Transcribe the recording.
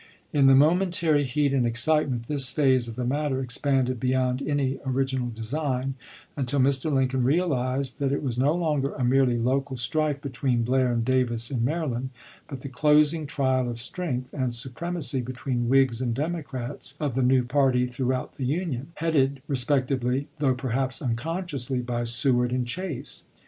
In the momentary heat and excitement this phase of the matter expanded beyond any original design, until Mr. Lincoln realized that it was no longer a merely local strife between Blair and Davis in Maryland, but the closing trial of strength and supremacy between Whigs and Democrats of the new party throughout the Union, headed re spectively, though perhaps unconsciously, by Sew ard and Chase.